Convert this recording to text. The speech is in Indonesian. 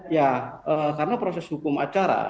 ya karena proses hukum acara